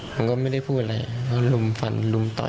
ผมก็ไม่ได้พูดอะไรก็ลุมฟันลุมต่อย